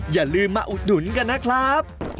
อย่าลืมมาอุดหนุนกันนะครับ